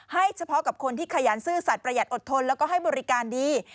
เฉพาะกับคนที่ขยันซื่อสัตว์ประหยัดอดทนแล้วก็ให้บริการดี